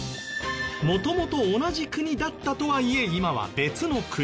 元々同じ国だったとはいえ今は別の国。